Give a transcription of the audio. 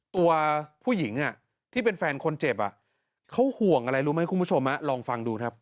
ตัวผู้หญิงที่เป็นแฟนคนเจ็บเขาห่วงอะไรรู้ไหมคุณผู้ชมลองฟังดูครับ